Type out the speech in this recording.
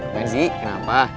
gapain sih kenapa